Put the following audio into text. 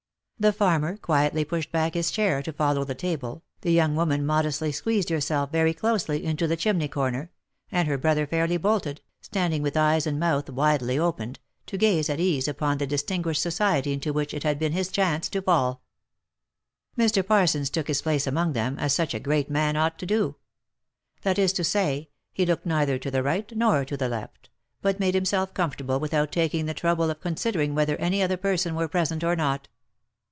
The farmer quietly pushed back his chair, to follow the table, the young woman modestly squeezed herself very closely into the chimney corner, and her brother fairly bolted, standing with eyes and mouth widely opened, to gaze at ease upon the distinguished society into which it had been his chance to fall. Mr. Parsons took his place among them, as such a great man ought to do. That is to say, he looked neither to the right nor to the left, but made himself comfortable without taking the trouble of con sidering whether any other person were present, or not.